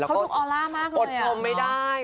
แล้วก็กดชมไม่ได้